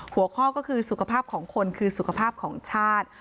หัวข้อก็คือสุขภาพของคนคือสุขภาพของชาติ